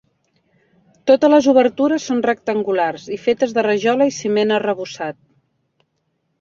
Totes les obertures són rectangulars i fetes de rajola i ciment arrebossat.